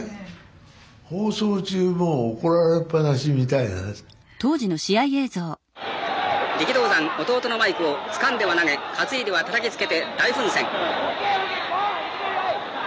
「え？じゃないよ！」とかね力道山弟のマイクをつかんでは投げ担いではたたきつけて大奮戦。